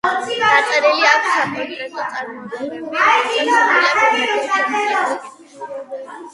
დაწერილი აქვს საკონცერტო ნაწარმოებები, თუმცა ცნობილია ფილმებისთვის შექმნილი მუსიკით.